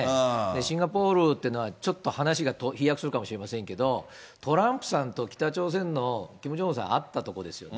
シンガポールっていうのは、ちょっと話が飛躍するかもしれませんけど、トランプさんと北朝鮮のキム・ジョンウンさん、会ったとこですよね。